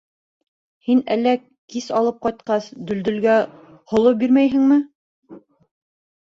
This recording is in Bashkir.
Һин әллә, кис алып ҡайтҡас, Дөлдөлгә һоло бирмәйһеңме?